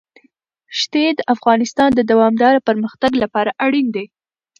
ښتې د افغانستان د دوامداره پرمختګ لپاره اړین دي.